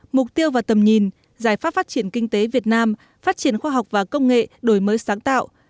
mục tiêu và tầm nhìn giải pháp phát triển kinh tế việt nam phát triển khoa học và công nghệ đổi mới sáng tạo